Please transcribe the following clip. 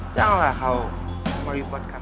janganlah kau merebutkan